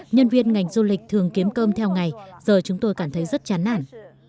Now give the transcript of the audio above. nhân viên ngành du lịch thường kiếm cơm theo ngày giờ chúng tôi cảm thấy rất chán nản